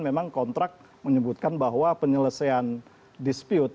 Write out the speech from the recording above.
memang kontrak menyebutkan bahwa penyelesaian dispute